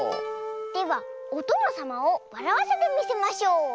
ではおとのさまをわらわせてみせましょう！